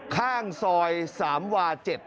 ข้างซอย๓วา๗